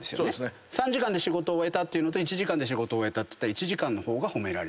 ３時間で仕事を終えたってのと１時間で終えたっつったら１時間の方が褒められる。